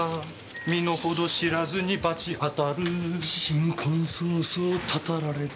「身のほど知らずに罰当たる」「新婚早々祟られた」